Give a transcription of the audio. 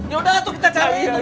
yaudah tuh kita cari itu apa lagi